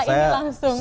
setelah ini langsung